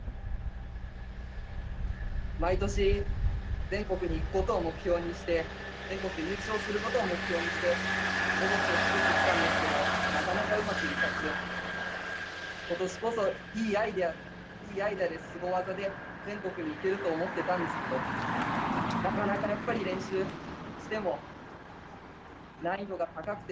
毎年全国に行くことを目標にして全国で優勝することを目標にしてロボットを作ってきたんですけどなかなかうまくいかず今年こそいいアイデアですご技で全国に行けると思ってたんですけどなかなかやっぱり練習しても難易度が高くて。